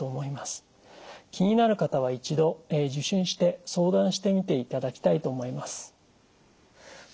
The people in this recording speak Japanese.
気になる方は一度受診して相談してみていただきたいと思います。